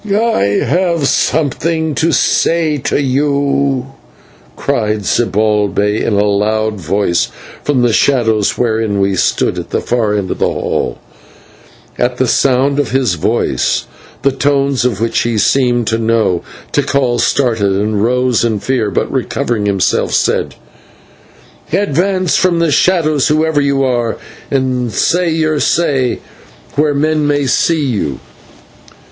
"I have something to say to you," cried Zibalbay in a loud voice from the shadows wherein we stood at the far end of the hall. At the sound of his voice, the tones of which he seemed to know, Tikal started and rose in fear, but, recovering himself, said: "Advance from the shadow, whoever you are, and say your say where men may see you."